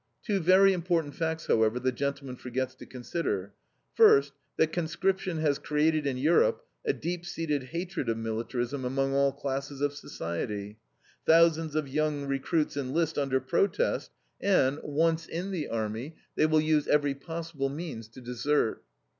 Two very important facts, however, the gentleman forgets to consider. First, that conscription has created in Europe a deep seated hatred of militarism among all classes of society. Thousands of young recruits enlist under protest and, once in the army, they will use every possible means to desert.